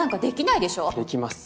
できます。